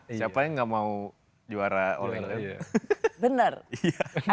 siapa yang gak mau juara all indonesia